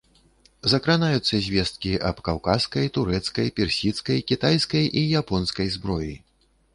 Закранаюцца звесткі аб каўказскай, турэцкай, персідскай, кітайскай і японскай зброі.